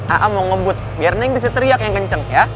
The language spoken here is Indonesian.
aa mau ngebut biar neng bisa teriak yang kenceng ya